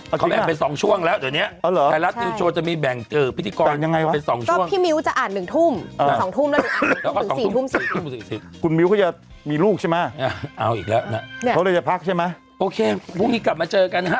เอาอีกแล้วน่ะเขาเลยจะพักใช่ไหมโอเคพรุ่งนี้กลับมาเจอกันนะฮะ